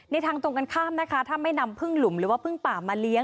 ทางตรงกันข้ามนะคะถ้าไม่นำพึ่งหลุมหรือว่าพึ่งป่ามาเลี้ย